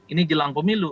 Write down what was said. ini jelang pemilu